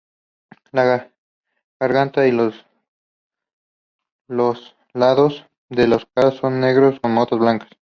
La garganta y los los lados de la cara son negros con motas blancas.